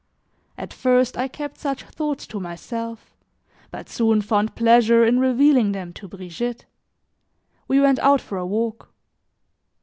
At first, I kept such thoughts to myself, but soon found pleasure in revealing them to Brigitte. We went out for a walk.